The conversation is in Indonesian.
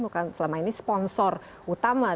bukan selama ini sponsor utama